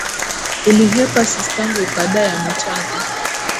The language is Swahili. Ulihepa sistangu ukadai amechapa.